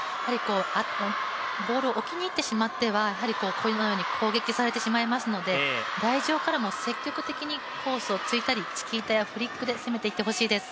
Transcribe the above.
ボールを置きに行ってしまってはやはりこのように攻撃されてしまいますので台上からも積極的にコースを突いたりチキータやフリックで攻めていってほしいです。